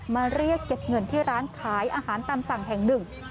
มาเรียกเก็บเงินที่ร้านขายอาหารตามสั่งแห่งหนึ่ง